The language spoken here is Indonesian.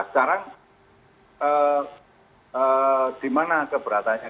sekarang di mana keberatannya